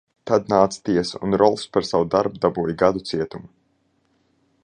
Tad nāca tiesa un Rolfs par savu darbu dabūja gadu cietuma.